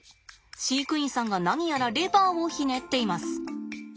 飼育員さんが何やらレバーをひねっています。